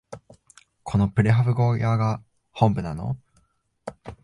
このプレハブ小屋が本部なの？